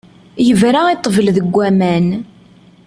Yebra i ṭṭbel deg waman.